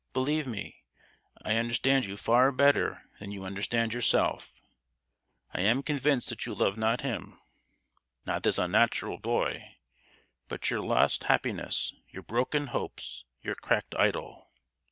Believe me, I understand you far better than you understand yourself! I am convinced that you love not him—not this unnatural boy,—but your lost happiness, your broken hopes, your cracked idol!